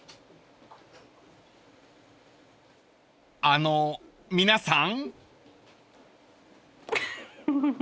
［あの皆さん？］